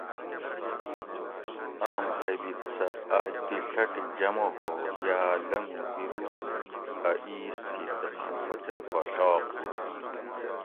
آم ہیٔبت سہۤ آک دی ڷٹی جمع ہو یا لنگُو بیرُوں اۤ اِیس تھی تساں کوچر پا ڷاق ہُوت